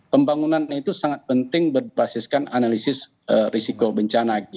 pembangunan itu sangat penting berbasiskan analisis risiko bencana